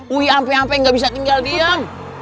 wia ampe ampe gak bisa tinggal diam